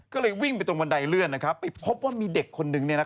ก็เลยวิ่งไปตรงบันไดเลื่อนไปพบว่ามีเด็กคนนึง